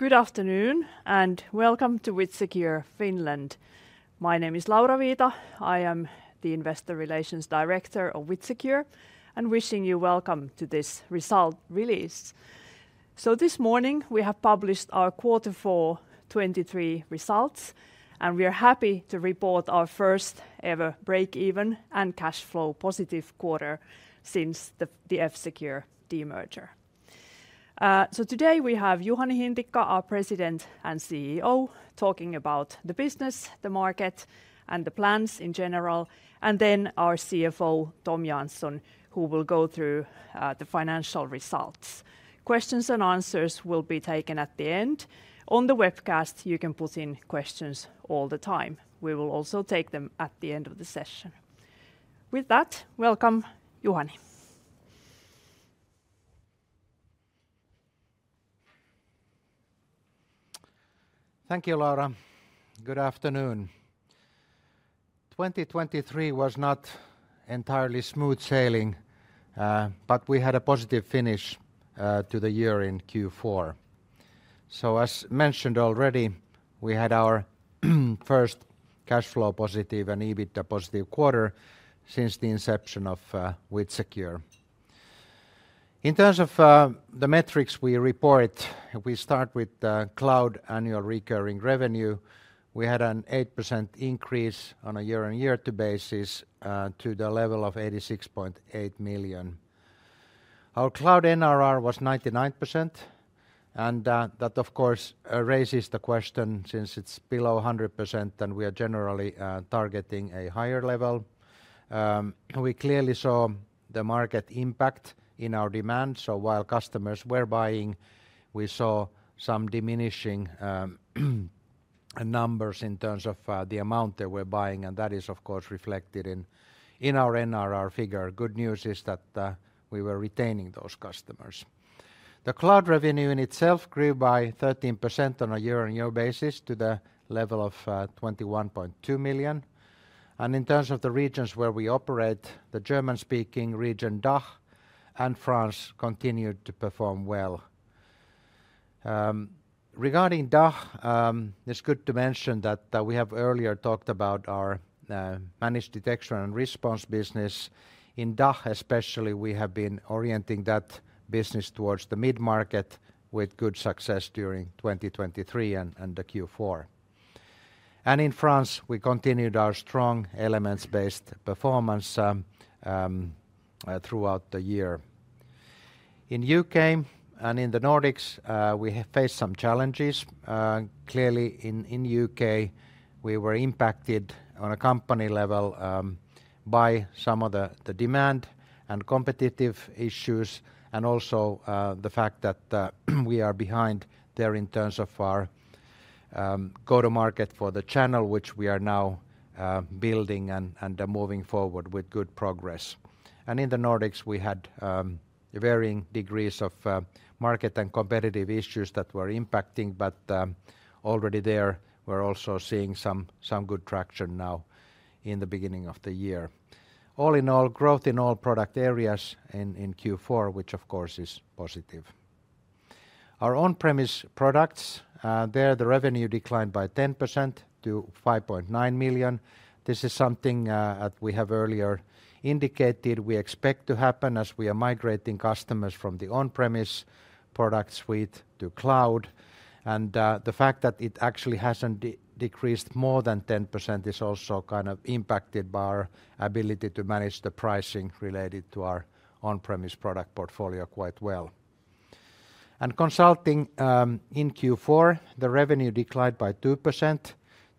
Good afternoon and welcome to WithSecure Finland. My name is Laura Viita. I am the Investor Relations Director of WithSecure and wishing you welcome to this result release. So this morning we have published our Q4 2023 results and we are happy to report our first ever break-even and cash flow positive quarter since the F-Secure demerger. So today we have Juhani Hintikka, our President and CEO, talking about the business, the market, and the plans in general, and then our CFO Tom Jansson who will go through the financial results. Questions and answers will be taken at the end. On the webcast you can put in questions all the time. We will also take them at the end of the session. With that, welcome Juhani. Thank you Laura. Good afternoon. 2023 was not entirely smooth sailing but we had a positive finish to the year in Q4. As mentioned already we had our first cash flow positive and EBITDA positive quarter since the inception of WithSecure. In terms of the metrics we report, we start with cloud annual recurring revenue. We had an 8% increase on a year-on-year basis to the level of 86.8 million. Our cloud NRR was 99% and that of course raises the question since it's below 100% and we are generally targeting a higher level. We clearly saw the market impact in our demand. While customers were buying we saw some diminishing numbers in terms of the amount they were buying and that is of course reflected in our NRR figure. Good news is that we were retaining those customers. The cloud revenue in itself grew by 13% on a year-on-year basis to the level of 21.2 million. In terms of the regions where we operate, the German-speaking region DACH and France continued to perform well. Regarding DACH, it's good to mention that we have earlier talked about our Managed Detection and Response business. In DACH especially we have been orienting that business towards the mid-market with good success during 2023 and the Q4. In France we continued our strong Elements-based performance throughout the year. In U.K. and in the Nordics we have faced some challenges. Clearly in U.K. we were impacted on a company level by some of the demand and competitive issues and also the fact that we are behind there in terms of our go-to-market for the channel which we are now building and moving forward with good progress. In the Nordics we had varying degrees of market and competitive issues that were impacting, but already there we're also seeing some good traction now in the beginning of the year. All in all, growth in all product areas in Q4, which of course is positive. Our on-premise products, there the revenue declined by 10% to 5.9 million. This is something that we have earlier indicated we expect to happen as we are migrating customers from the on-premise product suite to cloud. The fact that it actually hasn't decreased more than 10% is also kind of impacted by our ability to manage the pricing related to our on-premise product portfolio quite well. Consulting in Q4, the revenue declined by 2%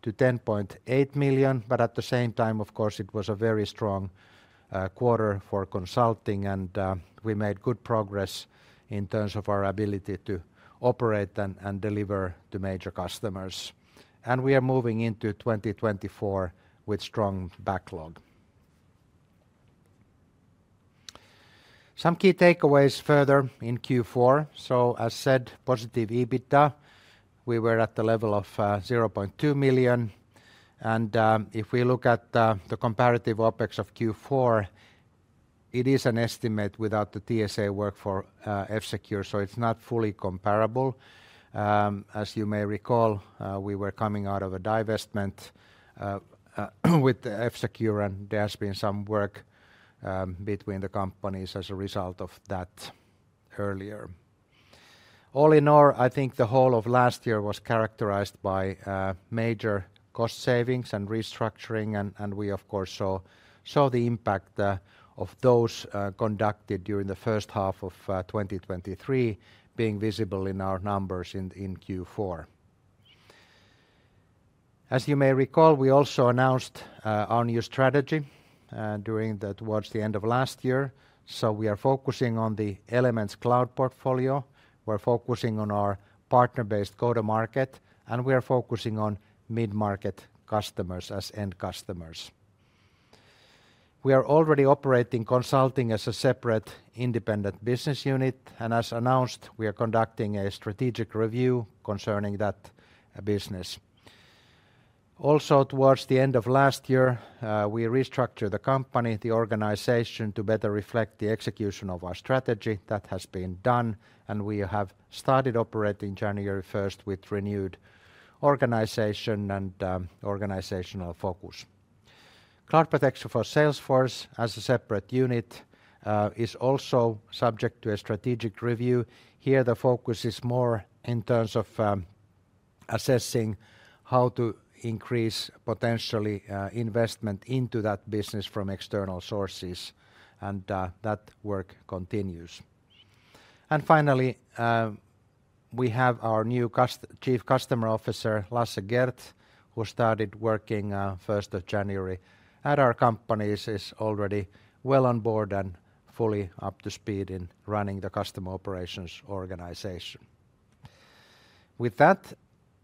to 10.8 million but at the same time of course it was a very strong quarter for consulting and we made good progress in terms of our ability to operate and deliver to major customers. We are moving into 2024 with strong backlog. Some key takeaways further in Q4. So as said, positive EBITDA. We were at the level of 0.2 million. If we look at the comparative OpEx of Q4, it is an estimate without the TSA work for F-Secure so it's not fully comparable. As you may recall, we were coming out of a divestment with F-Secure and there has been some work between the companies as a result of that earlier. All in all, I think the whole of last year was characterized by major cost savings and restructuring and we of course saw the impact of those conducted during the first half of 2023 being visible in our numbers in Q4. As you may recall, we also announced our new strategy towards the end of last year. So we are focusing on the Elements Cloud portfolio. We're focusing on our partner-based go-to-market and we are focusing on mid-market customers as end customers. We are already operating consulting as a separate independent business unit and as announced we are conducting a strategic review concerning that business. Also towards the end of last year we restructured the company, the organization to better reflect the execution of our strategy. That has been done and we have started operating January 1st with renewed organization and organizational focus. Cloud Protection for Salesforce as a separate unit is also subject to a strategic review. Here the focus is more in terms of assessing how to increase potentially investment into that business from external sources and that work continues. Finally we have our new Chief Customer Officer, Lasse Gerdt, who started working 1st of January at our companies. He's already well on board and fully up to speed in running the customer operations organization. With that,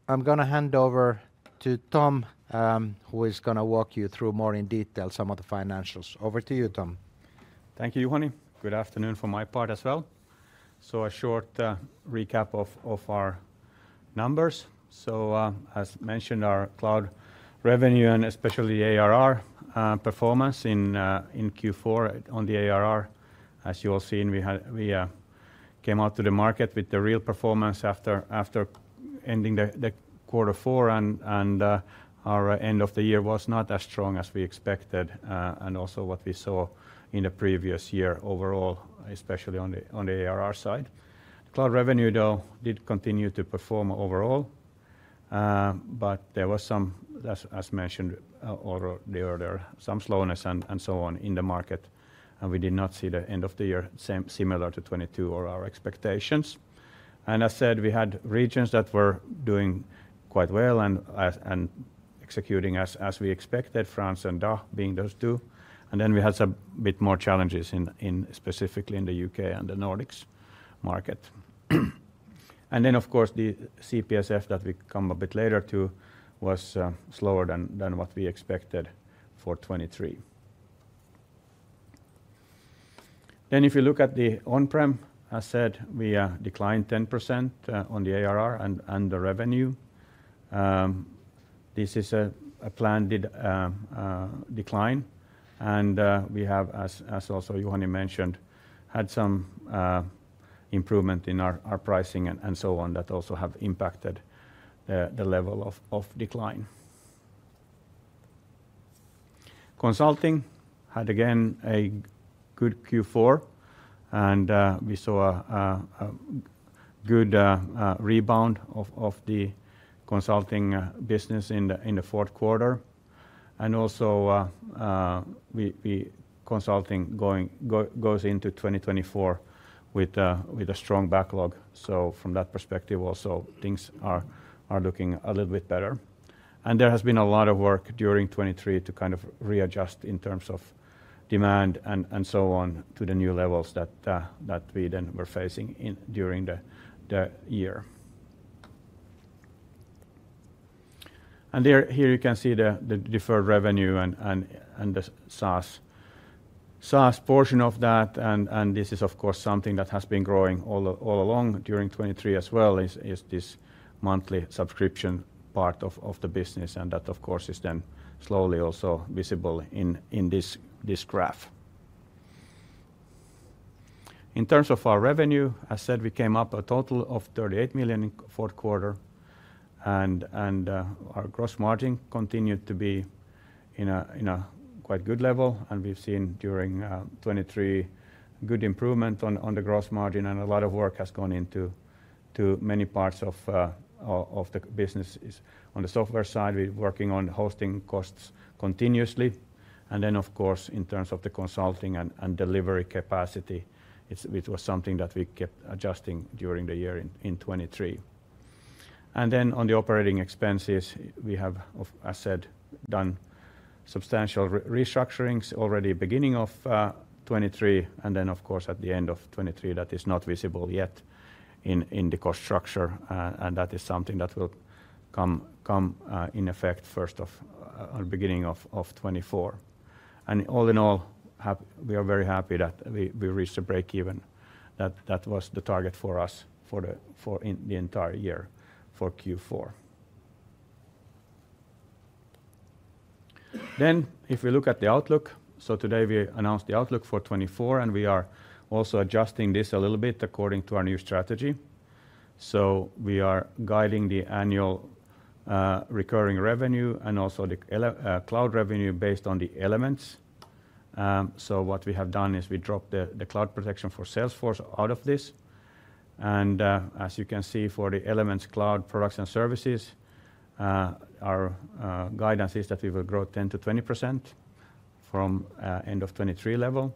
I'm going to hand over to Tom who is going to walk you through more in detail some of the financials. Over to you, Tom. Thank you, Juhani. Good afternoon from my part as well. So a short recap of our numbers. So as mentioned, our cloud revenue and especially ARR performance in Q4 on the ARR. As you all seen, we came out to the market with the real performance after ending the Q4 and our end of the year was not as strong as we expected and also what we saw in the previous year overall, especially on the ARR side. Cloud revenue though did continue to perform overall but there was some, as mentioned already earlier, some slowness and so on in the market and we did not see the end of the year similar to 2022 or our expectations. And as said, we had regions that were doing quite well and executing as we expected, France and DACH being those two. And then we had a bit more challenges specifically in the U.K. and the Nordics market. And then of course the CPSF that we come a bit later to was slower than what we expected for 2023. Then if you look at the on-prem, as said, we declined 10% on the ARR and the revenue. This is a planned decline and we have, as also Juhani mentioned, had some improvement in our pricing and so on that also have impacted the level of decline. Consulting had again a good Q4 and we saw a good rebound of the consulting business in the fourth quarter. And also consulting goes into 2024 with a strong backlog. So from that perspective also things are looking a little bit better. There has been a lot of work during 2023 to kind of readjust in terms of demand and so on to the new levels that we then were facing during the year. Here you can see the deferred revenue and the SaaS portion of that and this is of course something that has been growing all along during 2023 as well is this monthly subscription part of the business and that of course is then slowly also visible in this graph. In terms of our revenue, as said, we came up a total of 38 million in the fourth quarter and our gross margin continued to be in a quite good level and we've seen during 2023 good improvement on the gross margin and a lot of work has gone into many parts of the business. On the software side, we're working on hosting costs continuously and then of course in terms of the consulting and delivery capacity, which was something that we kept adjusting during the year in 2023. Then on the operating expenses, we have, as said, done substantial restructurings already beginning of 2023 and then of course at the end of 2023 that is not visible yet in the cost structure and that is something that will come in effect first on the beginning of 2024. All in all, we are very happy that we reached a break-even. That was the target for us for the entire year for Q4. Then if we look at the outlook, so today we announced the outlook for 2024 and we are also adjusting this a little bit according to our new strategy. We are guiding the annual recurring revenue and also the cloud revenue based on the Elements. What we have done is we dropped the Cloud Protection for Salesforce out of this. As you can see for the Elements Cloud products and services, our guidance is that we will grow 10%-20% from end of 2023 level.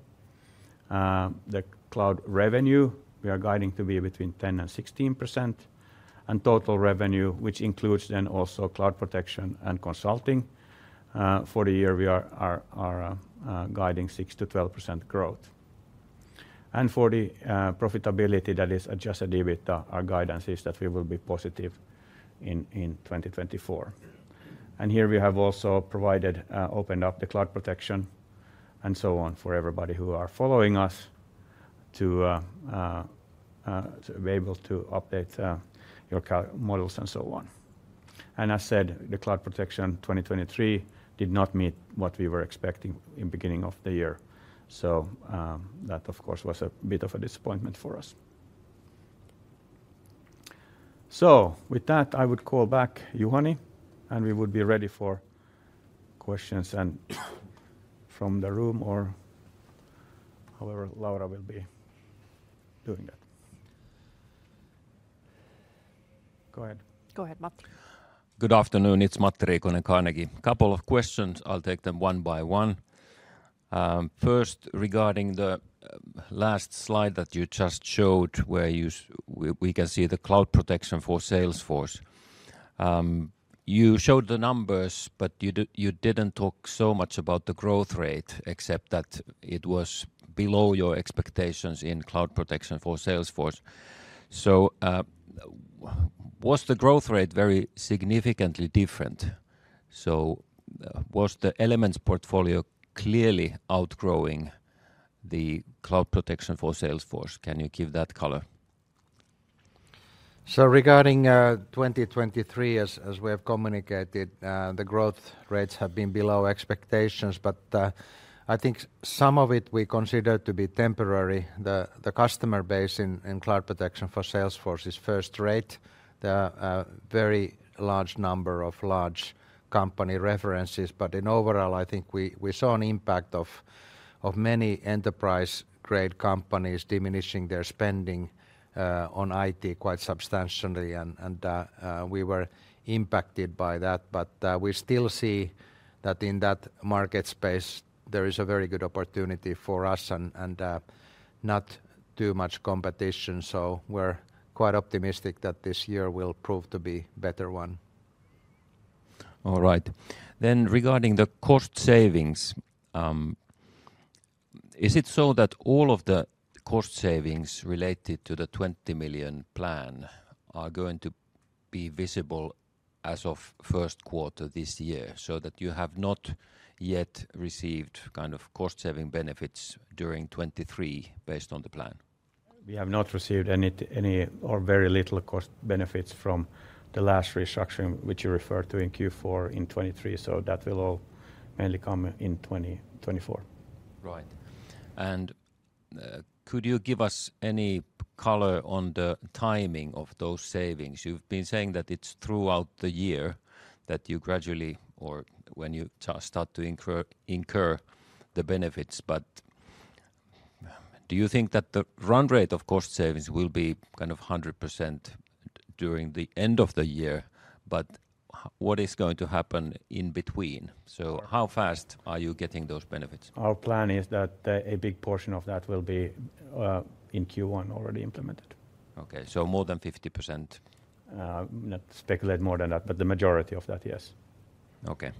The cloud revenue, we are guiding to be between 10% and 16%. Total revenue, which includes then also Cloud Protection and consulting, for the year we are guiding 6%-12% growth. For the profitability that is adjusted EBITDA, our guidance is that we will be positive in 2024. Here we have also opened up the Cloud Protection and so on for everybody who are following us to be able to update your models and so on. As said, the Cloud Protection 2023 did not meet what we were expecting in the beginning of the year. That of course was a bit of a disappointment for us. With that, I would call back Juhani and we would be ready for questions from the room or however Laura will be doing that. Go ahead. Go ahead, Matti. Good afternoon. It's Matti Riikonen. A couple of questions. I'll take them one by one. First, regarding the last slide that you just showed where we can see the Cloud Protection for Salesforce. You showed the numbers but you didn't talk so much about the growth rate except that it was below your expectations in Cloud Protection for Salesforce. So was the growth rate very significantly different? So was the Elements portfolio clearly outgrowing the Cloud Protection for Salesforce? Can you give that color? So, regarding 2023, as we have communicated, the growth rates have been below expectations, but I think some of it we considered to be temporary. The customer base in Cloud Protection for Salesforce is first-rate. There are a very large number of large company references, but in overall I think we saw an impact of many enterprise-grade companies diminishing their spending on IT quite substantially, and we were impacted by that, but we still see that in that market space there is a very good opportunity for us and not too much competition, so we're quite optimistic that this year will prove to be a better one. All right. Then regarding the cost savings, is it so that all of the cost savings related to the 20 million plan are going to be visible as of first quarter this year so that you have not yet received kind of cost saving benefits during 2023 based on the plan? We have not received any or very little cost benefits from the last restructuring which you referred to in Q4 in 2023 so that will all mainly come in 2024. Right. Could you give us any color on the timing of those savings? You've been saying that it's throughout the year that you gradually or when you start to incur the benefits, but do you think that the run rate of cost savings will be kind of 100% during the end of the year but what is going to happen in between? How fast are you getting those benefits? Our plan is that a big portion of that will be in Q1 already implemented. Okay. So more than 50%? Not speculate more than that, but the majority of that, yes. Okay.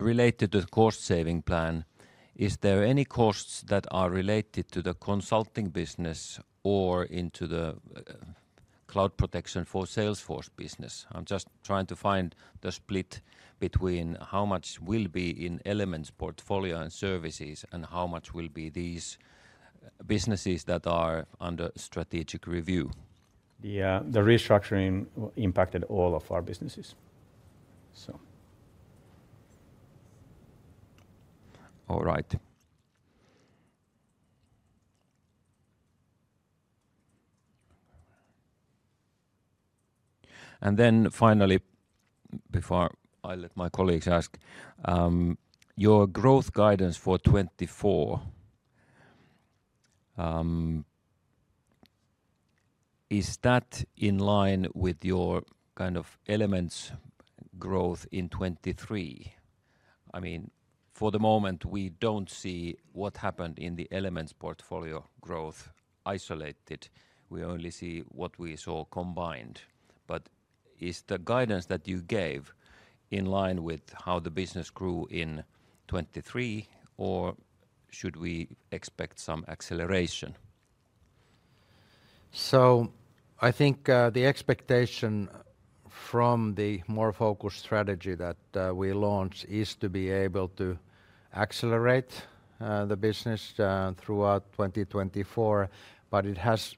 Related to the cost saving plan, is there any costs that are related to the consulting business or into the Cloud Protection for Salesforce business? I'm just trying to find the split between how much will be in Elements portfolio and services and how much will be these businesses that are under strategic review. The restructuring impacted all of our businesses. All right. And then finally, before I let my colleagues ask, your growth guidance for 2024, is that in line with your kind of Elements growth in 2023? I mean, for the moment we don't see what happened in the Elements portfolio growth isolated. We only see what we saw combined. But is the guidance that you gave in line with how the business grew in 2023 or should we expect some acceleration? So, I think the expectation from the more focused strategy that we launched is to be able to accelerate the business throughout 2024, but it has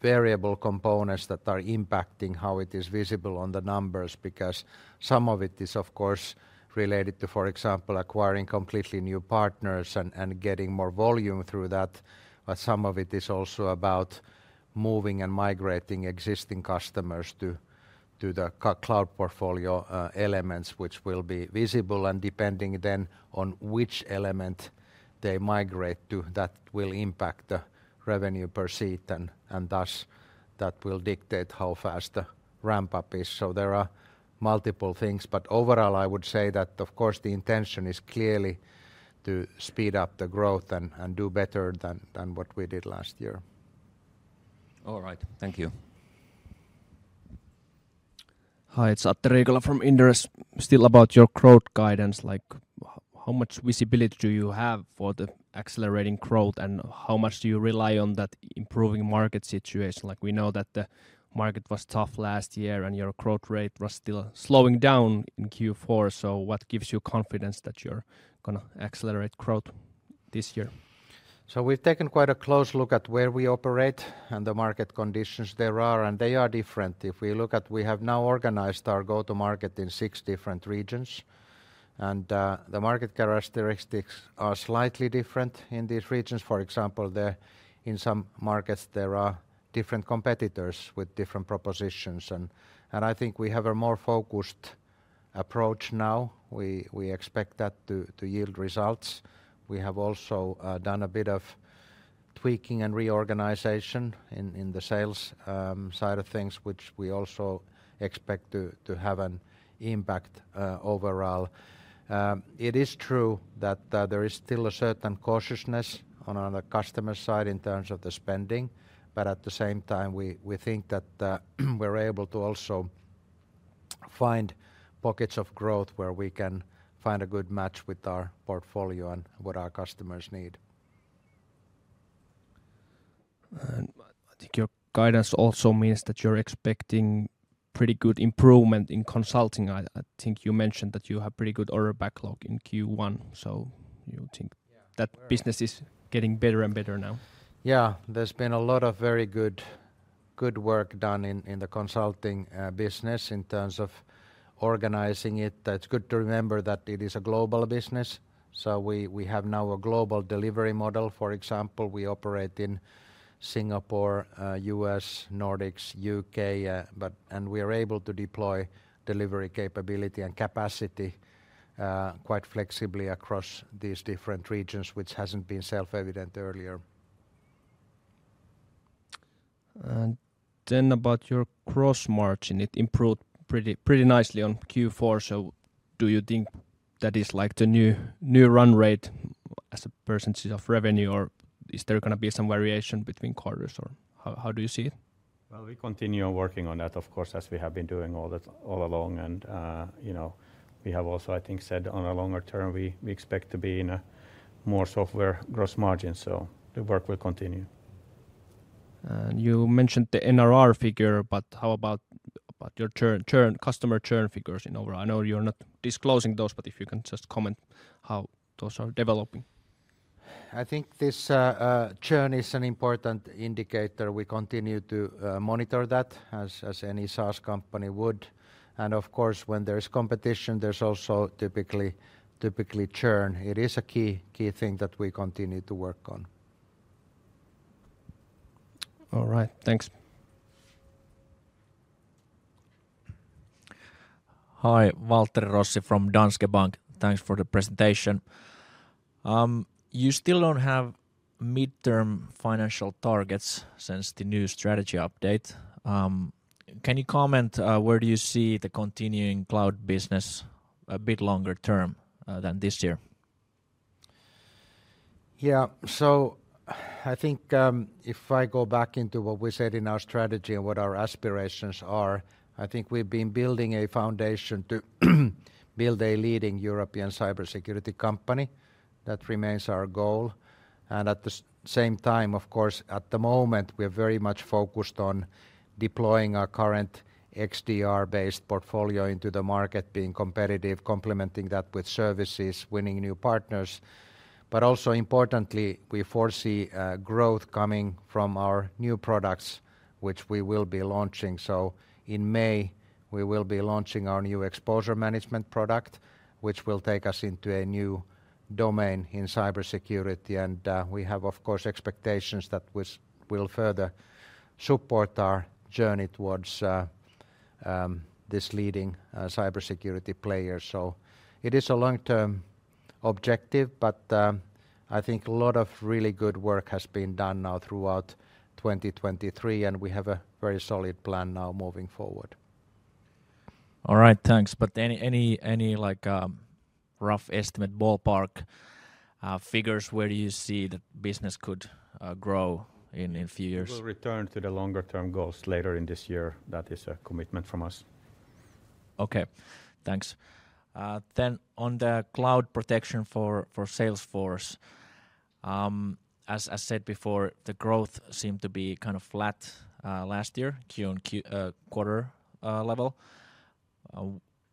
variable components that are impacting how it is visible on the numbers because some of it is, of course, related to, for example, acquiring completely new partners and getting more volume through that, but some of it is also about moving and migrating existing customers to the cloud portfolio Elements, which will be visible, and depending then on which element they migrate to, that will impact the revenue per seat and thus that will dictate how fast the ramp-up is. So there are multiple things, but overall I would say that, of course, the intention is clearly to speed up the growth and do better than what we did last year. All right. Thank you. Hi, it's Atte Riikola from Inderes. Still about your growth guidance. How much visibility do you have for the accelerating growth and how much do you rely on that improving market situation? We know that the market was tough last year and your growth rate was still slowing down in Q4 so what gives you confidence that you're going to accelerate growth this year? So we've taken quite a close look at where we operate and the market conditions there are and they are different. If we look at, we have now organized our go-to-market in six different regions and the market characteristics are slightly different in these regions. For example, in some markets there are different competitors with different propositions and I think we have a more focused approach now. We expect that to yield results. We have also done a bit of tweaking and reorganization in the sales side of things which we also expect to have an impact overall. It is true that there is still a certain cautiousness on the customer side in terms of the spending but at the same time we think that we're able to also find pockets of growth where we can find a good match with our portfolio and what our customers need. I think your guidance also means that you're expecting pretty good improvement in consulting. I think you mentioned that you have pretty good order backlog in Q1 so you think that business is getting better and better now? Yeah. There's been a lot of very good work done in the consulting business in terms of organizing it. It's good to remember that it is a global business so we have now a global delivery model. For example, we operate in Singapore, U.S., Nordics, U.K., and we are able to deploy delivery capability and capacity quite flexibly across these different regions which hasn't been self-evident earlier. About your gross margin, it improved pretty nicely in Q4 so do you think that is like the new run rate as a percentage of revenue or is there going to be some variation between quarters or how do you see it? Well, we continue working on that of course as we have been doing all along and we have also I think said on a longer term we expect to be in a more software gross margin so the work will continue. You mentioned the NRR figure, but how about your customer churn figures in overall? I know you're not disclosing those, but if you can just comment how those are developing? I think this churn is an important indicator. We continue to monitor that as any SaaS company would and of course when there is competition there's also typically churn. It is a key thing that we continue to work on. All right. Thanks. Hi, Waltteri Rossi from Danske Bank. Thanks for the presentation. You still don't have mid-term financial targets since the new strategy update. Can you comment where do you see the continuing cloud business a bit longer term than this year? Yeah. So I think if I go back into what we said in our strategy and what our aspirations are, I think we've been building a foundation to build a leading European cybersecurity company. That remains our goal and at the same time, of course, at the moment we are very much focused on deploying our current XDR-based portfolio into the market, being competitive, complementing that with services, winning new partners but also importantly we foresee growth coming from our new products which we will be launching. So in May we will be launching our new Exposure Management product which will take us into a new domain in cybersecurity and we have of course expectations that will further support our journey towards this leading cybersecurity player. So it is a long-term objective but I think a lot of really good work has been done now throughout 2023 and we have a very solid plan now moving forward. All right. Thanks. But any rough estimate, ballpark figures where do you see that business could grow in a few years? We'll return to the longer-term goals later in this year. That is a commitment from us. Okay. Thanks. Then on the Cloud Protection for Salesforce, as said before, the growth seemed to be kind of flat last year Q1 level.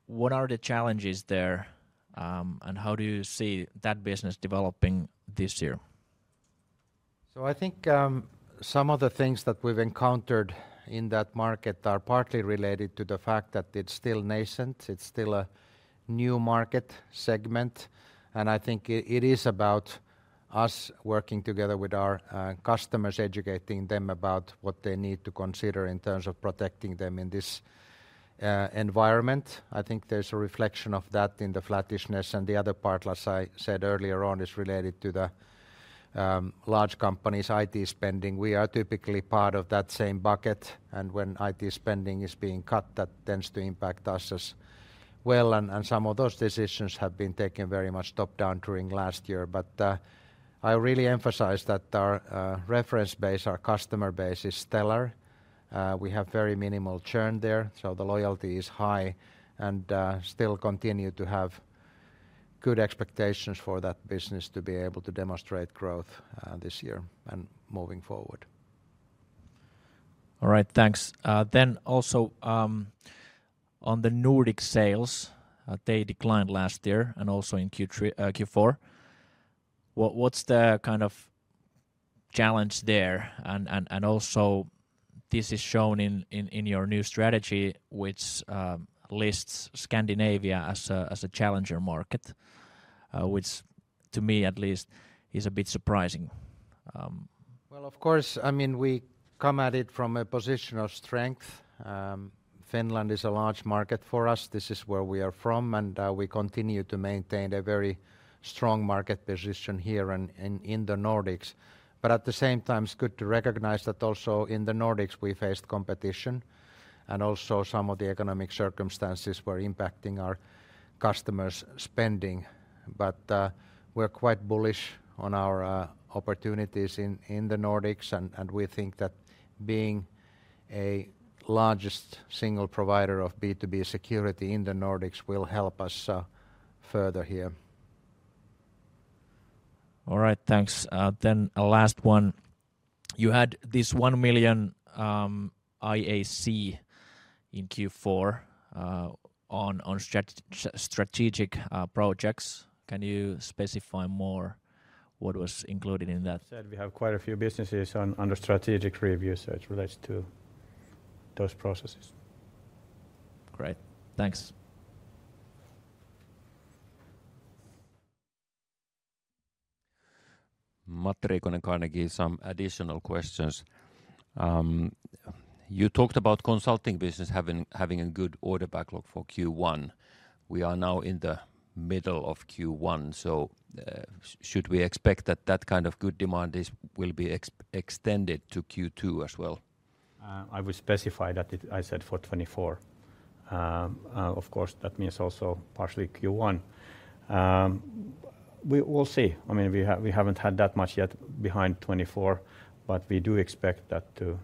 What are the challenges there and how do you see that business developing this year? So I think some of the things that we've encountered in that market are partly related to the fact that it's still nascent. It's still a new market segment and I think it is about us working together with our customers, educating them about what they need to consider in terms of protecting them in this environment. I think there's a reflection of that in the flattishness and the other part, as I said earlier on, is related to the large companies' IT spending. We are typically part of that same bucket and when IT spending is being cut, that tends to impact us as well and some of those decisions have been taken very much top-down during last year but I really emphasize that our reference base, our customer base, is stellar. We have very minimal churn there so the loyalty is high and still continue to have good expectations for that business to be able to demonstrate growth this year and moving forward. All right. Thanks. Then also on the Nordic sales, they declined last year and also in Q4. What's the kind of challenge there and also this is shown in your new strategy which lists Scandinavia as a challenger market which to me at least is a bit surprising. Well, of course, I mean we come at it from a position of strength. Finland is a large market for us. This is where we are from and we continue to maintain a very strong market position here in the Nordics but at the same time it's good to recognize that also in the Nordics we faced competition and also some of the economic circumstances were impacting our customers' spending but we're quite bullish on our opportunities in the Nordics and we think that being a largest single provider of B2B security in the Nordics will help us further here. All right. Thanks. Then a last one. You had this 1 million IAC in Q4 on strategic projects. Can you specify more what was included in that? Said we have quite a few businesses under strategic review, so it relates to those processes. Great. Thanks. Matti Riikonen, Carnegie, some additional questions. You talked about consulting business having a good order backlog for Q1. We are now in the middle of Q1 so should we expect that that kind of good demand will be extended to Q2 as well? I would specify that I said for 2024. Of course that means also partially Q1. We will see. I mean we haven't had that much yet behind 2024 but we do expect that to,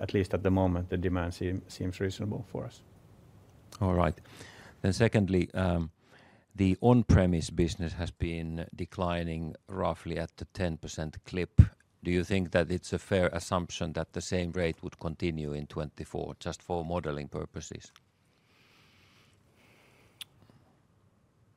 at least at the moment, the demand seems reasonable for us. All right. Then secondly, the on-premise business has been declining roughly at the 10% clip. Do you think that it's a fair assumption that the same rate would continue in 2024 just for modeling purposes?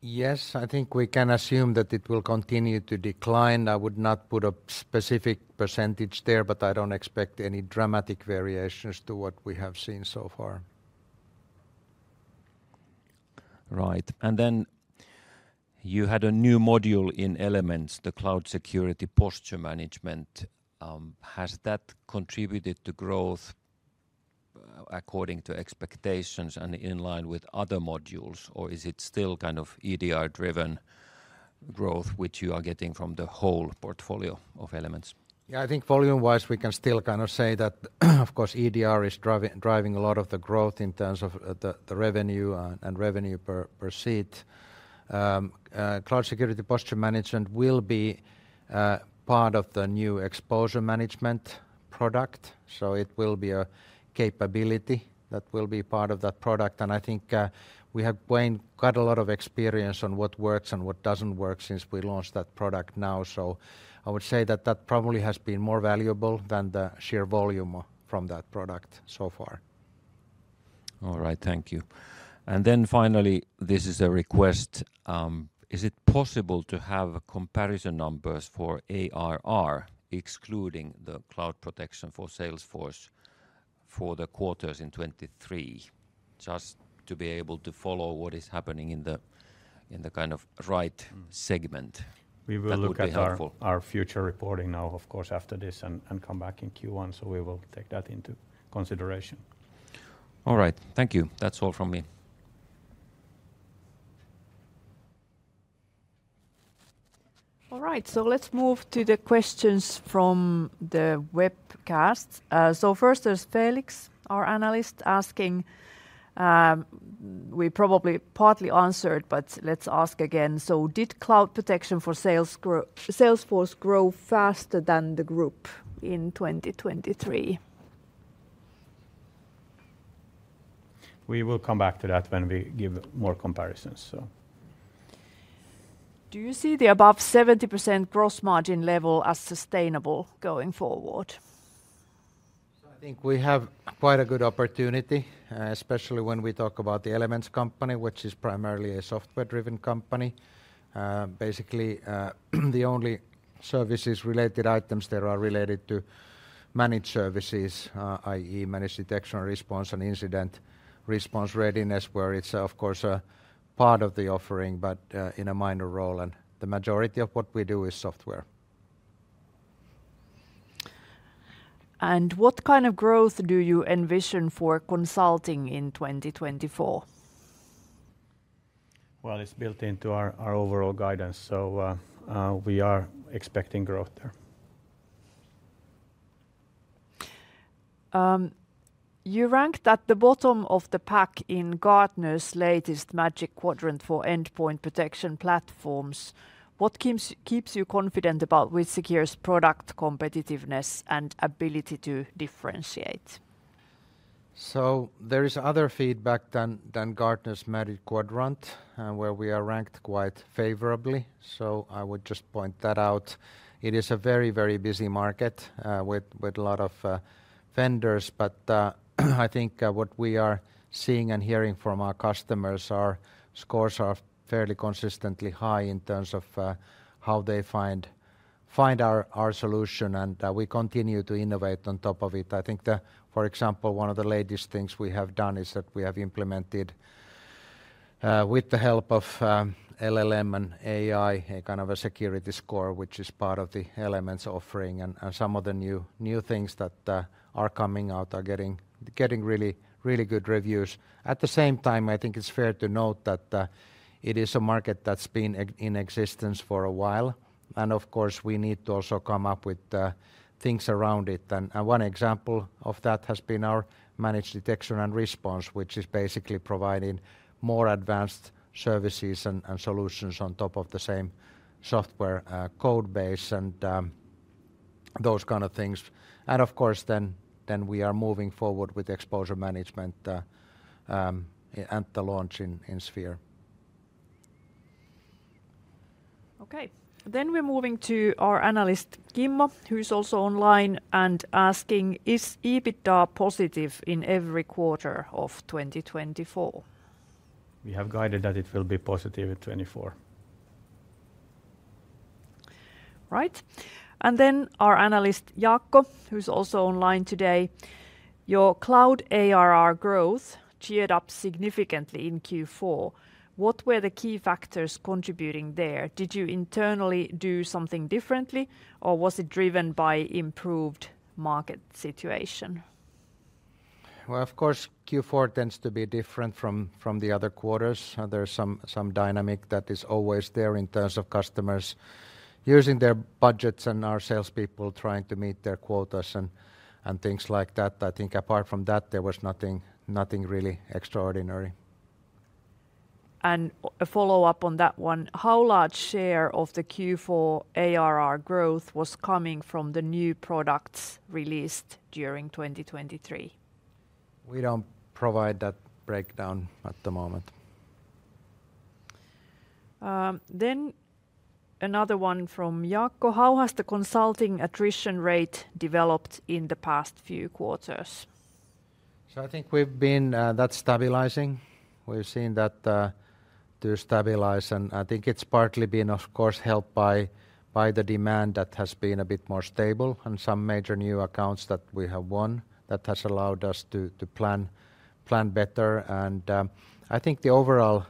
Yes. I think we can assume that it will continue to decline. I would not put a specific percentage there but I don't expect any dramatic variations to what we have seen so far. Right. And then you had a new module in Elements, the Cloud Security Posture Management. Has that contributed to growth according to expectations and in line with other modules or is it still kind of EDR-driven growth which you are getting from the whole portfolio of Elements? Yeah. I think volume-wise we can still kind of say that of course EDR is driving a lot of the growth in terms of the revenue and revenue per seat. Cloud Security Posture Management will be part of the new Exposure Management product so it will be a capability that will be part of that product and I think we have gained quite a lot of experience on what works and what doesn't work since we launched that product now so I would say that that probably has been more valuable than the sheer volume from that product so far. All right. Thank you. And then finally, this is a request. Is it possible to have comparison numbers for ARR excluding the Cloud Protection for Salesforce for the quarters in 2023 just to be able to follow what is happening in the kind of right segment? We will look at our future reporting now, of course, after this and come back in Q1, so we will take that into consideration. All right. Thank you. That's all from me. All right. So let's move to the questions from the webcast. So first there's Felix, our analyst, asking, we probably partly answered but let's ask again. So did Cloud Protection for Salesforce grow faster than the group in 2023? We will come back to that when we give more comparisons so. Do you see the above 70% gross margin level as sustainable going forward? So I think we have quite a good opportunity especially when we talk about the Elements company which is primarily a software-driven company. Basically the only services-related items there are related to managed services i.e. Managed Detection Response and Incident Response Readiness where it's of course a part of the offering but in a minor role and the majority of what we do is software. What kind of growth do you envision for consulting in 2024? Well, it's built into our overall guidance so we are expecting growth there. You ranked at the bottom of the pack in Gartner's latest Magic Quadrant for Endpoint Protection Platforms. What keeps you confident about WithSecure's product competitiveness and ability to differentiate? So there is other feedback than Gartner's Magic Quadrant where we are ranked quite favorably, so I would just point that out. It is a very, very busy market with a lot of vendors, but I think what we are seeing and hearing from our customers, our scores are fairly consistently high in terms of how they find our solution and we continue to innovate on top of it. I think, for example, one of the latest things we have done is that we have implemented with the help of LLM and AI a kind of a security score which is part of the Elements offering and some of the new things that are coming out are getting really good reviews. At the same time, I think it's fair to note that it is a market that's been in existence for a while and of course we need to also come up with things around it and one example of that has been our Managed Detection and Response which is basically providing more advanced services and solutions on top of the same software code base and those kind of things. And of course then we are moving forward with Exposure Management and the launch in Sphere. Okay. Then we're moving to our analyst Kimmo who's also online and asking, is EBITDA positive in every quarter of 2024? We have guided that it will be positive in 2024. Right. And then our analyst Jaakko, who's also online today. Your cloud ARR growth tiered up significantly in Q4. What were the key factors contributing there? Did you internally do something differently or was it driven by improved market situation? Well, of course Q4 tends to be different from the other quarters. There's some dynamic that is always there in terms of customers using their budgets and our salespeople trying to meet their quotas and things like that. I think apart from that there was nothing really extraordinary. A follow-up on that one. How large share of the Q4 ARR growth was coming from the new products released during 2023? We don't provide that breakdown at the moment. Then another one from Jaakko. How has the consulting attrition rate developed in the past few quarters? So, I think we've been. That's stabilizing. We've seen that, too, stabilize and I think it's partly been, of course, helped by the demand that has been a bit more stable and some major new accounts that we have won that has allowed us to plan better and I think the overall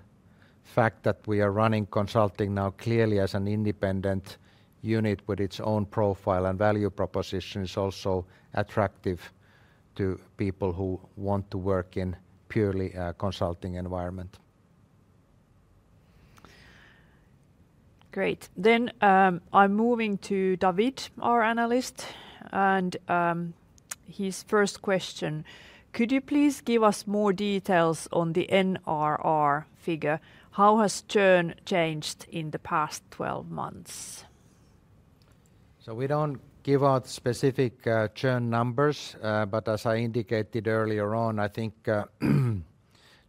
fact that we are running consulting now clearly as an independent unit with its own profile and value proposition is also attractive to people who want to work in purely a consulting environment. Great. Then I'm moving to David, our analyst, and his first question. Could you please give us more details on the NRR figure? How has churn changed in the past 12 months? So we don't give out specific churn numbers but as I indicated earlier on, I think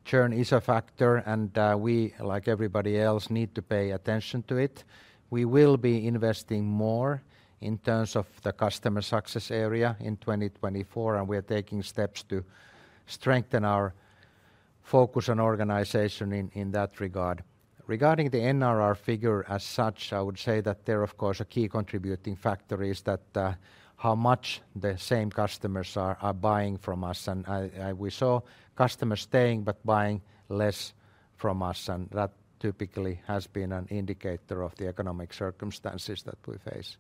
churn is a factor and we, like everybody else, need to pay attention to it. We will be investing more in terms of the customer success area in 2024 and we are taking steps to strengthen our focus and organization in that regard. Regarding the NRR figure as such, I would say that there of course are key contributing factors that how much the same customers are buying from us and we saw customers staying but buying less from us and that typically has been an indicator of the economic circumstances that we face.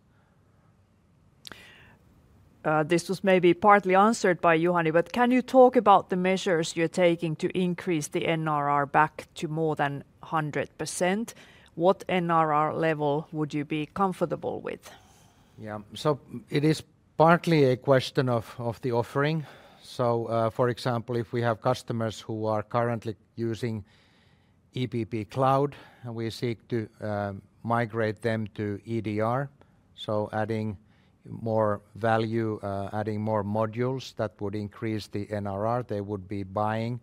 This was maybe partly answered by Juhani but can you talk about the measures you're taking to increase the NRR back to more than 100%? What NRR level would you be comfortable with? Yeah. So it is partly a question of the offering. So for example, if we have customers who are currently using EPP Cloud and we seek to migrate them to EDR so adding more value, adding more modules that would increase the NRR, they would be buying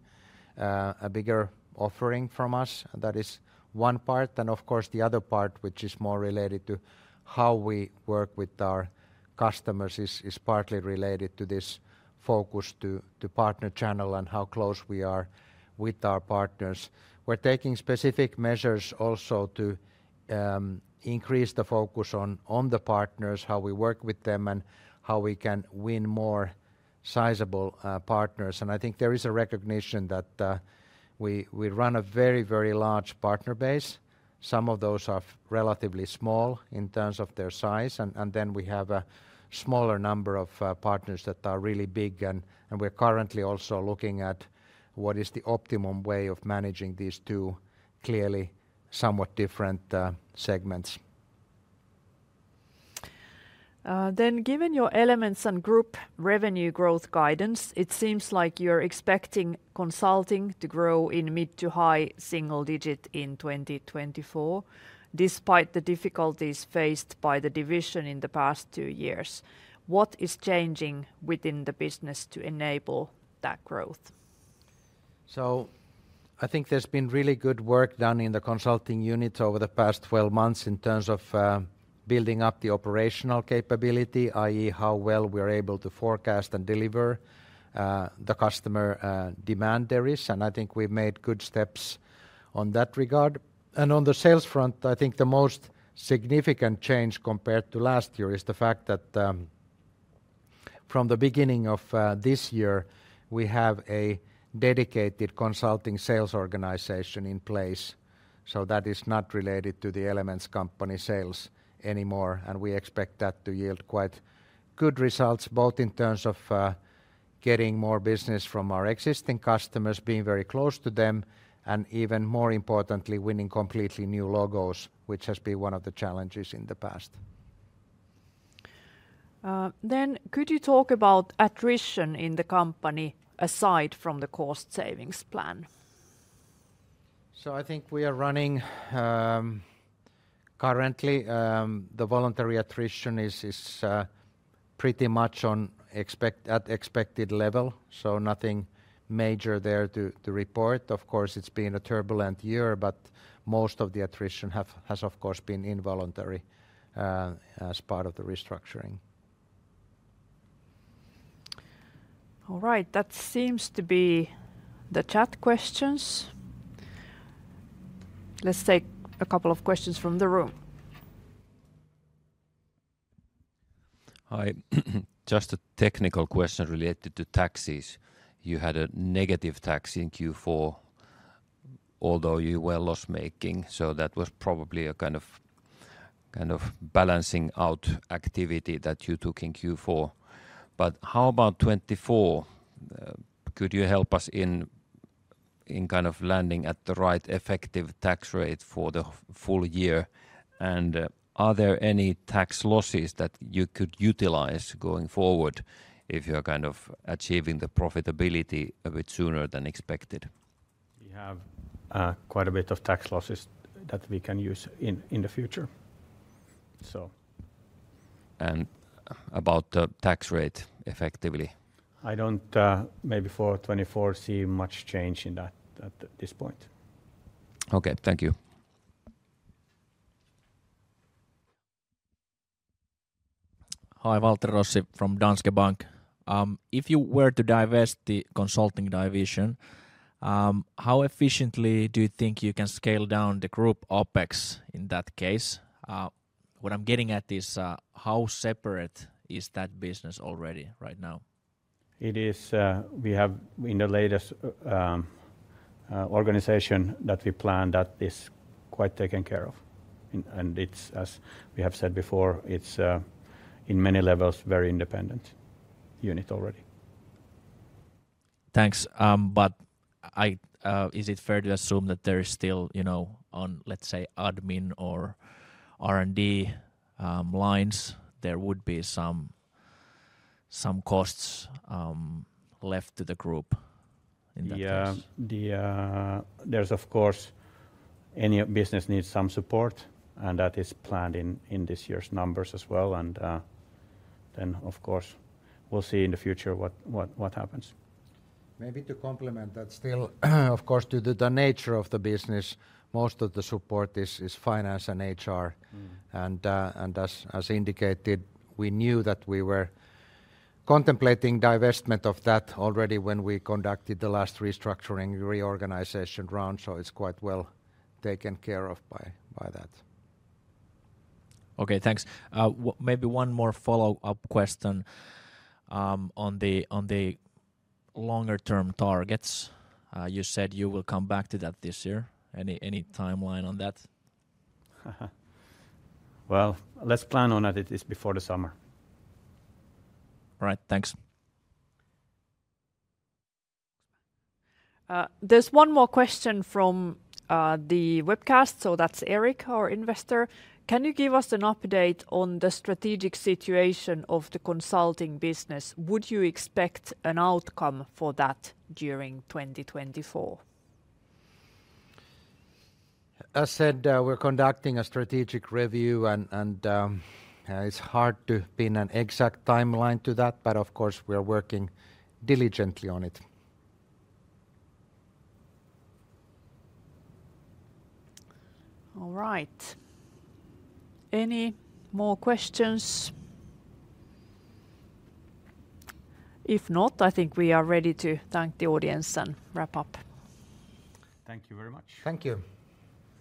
a bigger offering from us. That is one part and of course the other part which is more related to how we work with our customers is partly related to this focus to partner channel and how close we are with our partners. We're taking specific measures also to increase the focus on the partners, how we work with them and how we can win more sizable partners and I think there is a recognition that we run a very, very large partner base. Some of those are relatively small in terms of their size and then we have a smaller number of partners that are really big and we're currently also looking at what is the optimum way of managing these two clearly somewhat different segments. Given your Elements and Group revenue growth guidance, it seems like you're expecting consulting to grow in mid- to high-single-digit in 2024 despite the difficulties faced by the division in the past two years. What is changing within the business to enable that growth? So I think there's been really good work done in the consulting units over the past 12 months in terms of building up the operational capability, i.e., how well we are able to forecast and deliver the customer demand there is, and I think we've made good steps on that regard. On the sales front, I think the most significant change compared to last year is the fact that from the beginning of this year we have a dedicated consulting sales organization in place so that is not related to the Elements company sales anymore and we expect that to yield quite good results both in terms of getting more business from our existing customers, being very close to them and even more importantly winning completely new logos which has been one of the challenges in the past. Could you talk about attrition in the company aside from the cost savings plan? So, I think we are running. Currently, the voluntary attrition is pretty much at expected level, so nothing major there to report. Of course, it's been a turbulent year, but most of the attrition has, of course, been involuntary as part of the restructuring. All right. That seems to be the chat questions. Let's take a couple of questions from the room. Hi. Just a technical question related to taxes. You had a negative tax in Q4 although you were loss making so that was probably a kind of balancing out activity that you took in Q4. But how about 2024? Could you help us in kind of landing at the right effective tax rate for the full year and are there any tax losses that you could utilize going forward if you're kind of achieving the profitability a bit sooner than expected? We have quite a bit of tax losses that we can use in the future so. About the tax rate effectively? I don't maybe for 2024 see much change in that at this point. Okay. Thank you. Hi Waltteri Rossi from Danske Bank. If you were to divest the consulting division, how efficiently do you think you can scale down the group OpEx in that case? What I'm getting at is how separate is that business already right now? It is we have in the latest organization that we plan that is quite taken care of, and it's as we have said before, it's in many levels very independent unit already. Thanks. But is it fair to assume that there is still on let's say admin or R&D lines there would be some costs left to the group in that case? Yeah. There's of course any business needs some support, and that is planned in this year's numbers as well, and then of course we'll see in the future what happens. Maybe, to complement that, still of course due to the nature of the business, most of the support is finance and HR, and as indicated, we knew that we were contemplating divestment of that already when we conducted the last restructuring reorganization round, so it's quite well taken care of by that. Okay. Thanks. Maybe one more follow-up question on the longer term targets. You said you will come back to that this year. Any timeline on that? Well, let's plan on that it is before the summer. Right. Thanks. There's one more question from the webcast, so that's Erik, our investor. Can you give us an update on the strategic situation of the consulting business? Would you expect an outcome for that during 2024? As said, we're conducting a strategic review and it's hard to pin an exact timeline to that but of course we are working diligently on it. All right. Any more questions? If not, I think we are ready to thank the audience and wrap up. Thank you very much. Thank you.